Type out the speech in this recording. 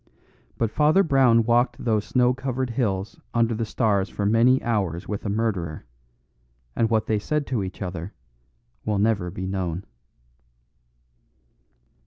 But Father Brown walked those snow covered hills under the stars for many hours with a murderer, and what they said to each other will never be known.